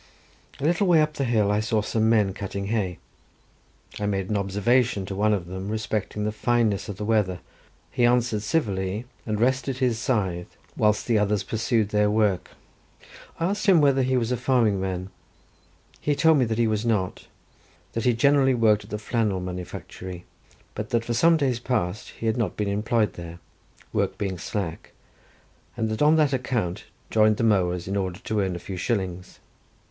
A little way up the hill I saw some men cutting hay. I made an observation to one of them respecting the fineness of the weather; he answered civilly, and rested on his scythe, whilst the others pursued their work. I asked him whether he was a farming man; he told me that he was not; that he generally worked at the flannel manufactory, but that for some days past he had not been employed there, work being slack, and had on that account joined the mowers in order to earn a few shillings.